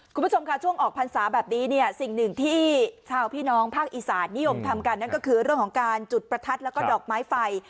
คุณผู้ชมค่ะช่วงออกพรรษาแบบนี้เนี่ยสิ่งหนึ่งที่ชาวพี่น้องภาคอีสานนิยมทำกันนั่นก็คือเรื่องของการจุดประทัดแล้วก็ดอกไม้ไฟ